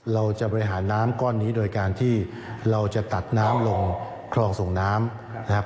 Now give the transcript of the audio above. เราจะบริหารน้ำก้อนนี้โดยการที่เราจะตัดน้ำลงคลองส่งน้ำนะครับ